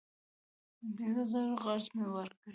پینځه زره قرض مې ورکړ.